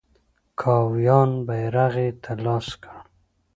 کاویان بیرغ یې تر لاسه کړ.